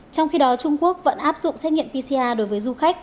trong khi đó trung quốc vẫn áp dụng xét nghiệm pcr đối với du khách